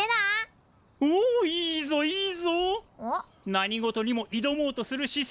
何事にもいどもうとする姿勢